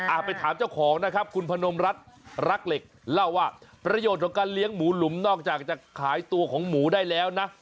ไปถามเจ้าของนะครับคุณพนมรัฐรักเหล็กเล่าว่าประโยชน์ของการเลี้ยงหมูหลุมนอกจากจะขายตัวของหมูได้แล้วนะ